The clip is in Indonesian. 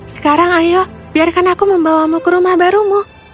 sekarang ayo biarkan aku membawamu ke rumah barumu